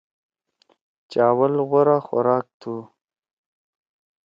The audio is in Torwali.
چاول غورا خوراک تُھو۔